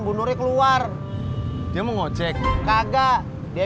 bunuh keluar dia mau ngecek kagak dia